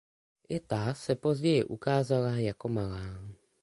I ta se později ukázala jako malá.